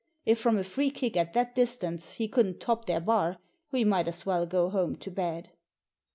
If from a free kick at that distance he couldn't top their bar, we might as well go home to bed.